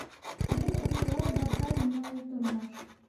Гел ошолай барһа ине ул тормош...